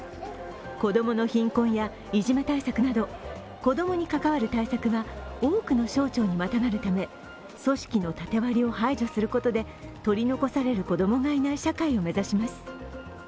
子供の貧困やいじめ対策など、子供に関わる対策は多くの省庁にまたがるため組織の縦割りを排除することで取り残される子供がいない社会を目指します。